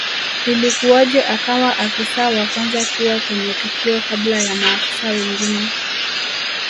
Ilikuwaje akawa Afisa wa kwanza kuwa kwenye tukio kabla ya maafisa wengine